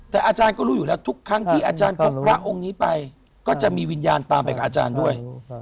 แต่อาจารย์ก็รู้อยู่แล้วทุกครั้งที่อาจารย์พบพระองค์นี้ไปก็จะมีวิญญาณตามไปกับอาจารย์ด้วย